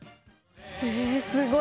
すごい。